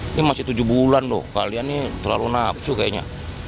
ini masih tujuh bulan loh kalian ini terlalu nafsu kayaknya